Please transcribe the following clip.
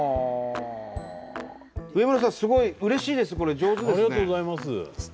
すごいうれしいですこれ上手ですね。